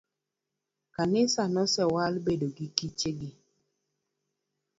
Kanisa mosewal bedo gi kichegi